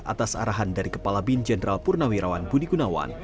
atas arahan dari kepala bin jenderal purnawirawan budi gunawan